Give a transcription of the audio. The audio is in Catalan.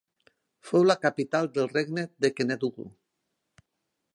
Fou la capital del regne de Kénédougou.